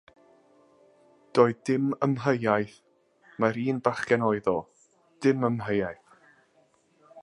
Doedd dim amheuaeth mai'r un bachgen oedd o, dim amheuaeth!